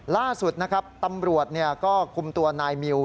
ล่าสุดนะครับตำรวจก็คุมตัวนายมิว